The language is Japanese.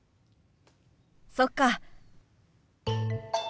そっか。